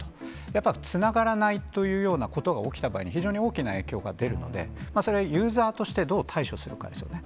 やっぱ、つながらないというようなことが起きた場合に非常に大きな影響が出るので、それはユーザーとしてどう対処するかですよね。